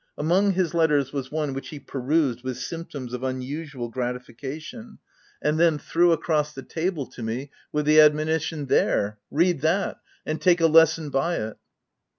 Among his letters was one which he perused with symptoms of unusual gratification, and then yOL. II. Q 338 THE TENANT threw across the table to me, with the admo nition, —" There ! read that, and take a lesson by it!"